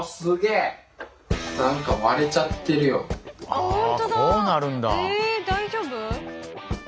え大丈夫？